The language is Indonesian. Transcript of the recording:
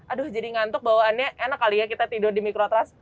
aduh jadi ngantuk bawaannya enak kali ya kita tidur di mikrotrans